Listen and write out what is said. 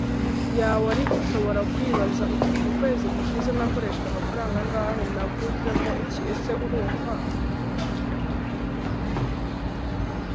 yawe Ariko ushobora kwibaza uti mu kwezi gushize nakoresheje amafaranga angahe Nayaguzemo iki Ese urumva